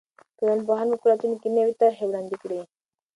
ټولنپوهان به په راتلونکي کې نوې طرحې وړاندې کړي.